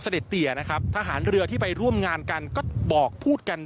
เตียนะครับทหารเรือที่ไปร่วมงานกันก็บอกพูดกัน